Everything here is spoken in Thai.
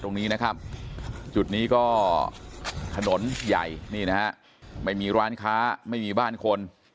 ตรงนี้นะครับจุดนี้ก็ถนนใหญ่นี่นะฮะไม่มีร้านค้าไม่มีบ้านคน